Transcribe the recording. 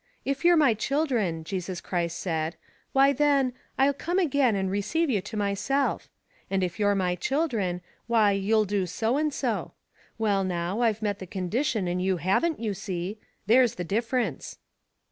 * If you're my children,' Jesus Christ said, why then ' I'll come again and re ceive you to myself; ' and if you're my children, why you'll do so and so. Well, now, I've met the condition and you haven't, you see — there's the difference."